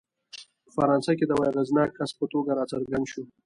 په فرانسه کې د یوه اغېزناک کس په توګه راڅرګند شو.